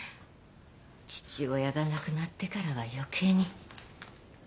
父親が亡くなってからは余計に。